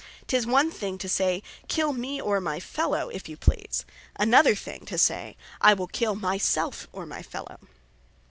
"'Tis one thing to say 'Kill me, or my fellow, if you please;' another thing to say, 'I will kill my selfe, or my fellow.